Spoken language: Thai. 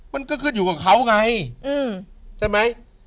มันก็ขึ้นอยู่กับเขาไงใช่ไหม